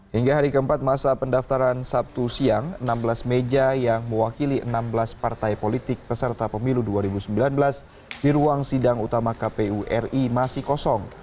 hingga hari keempat masa pendaftaran sabtu siang enam belas meja yang mewakili enam belas partai politik peserta pemilu dua ribu sembilan belas di ruang sidang utama kpu ri masih kosong